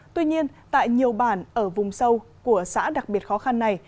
tuy nhiên tại nhiều bản ở vùng sâu của xã đặc biệt khó khăn này